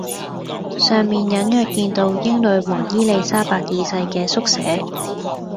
上面隱約見到英女皇伊莉莎白二世嘅縮寫